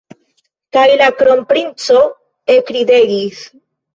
Kaj la kronprinco ekridegis.